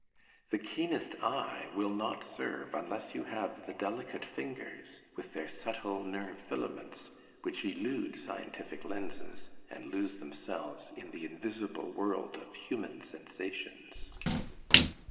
The keenest eye will not serve, unless you have the delicate fingers, with their subtle nerve filaments, which elude scientific lenses, and lose themselves in the invisible world of human sensations.